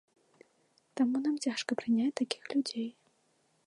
Таму нам цяжка прыняць такіх людзей.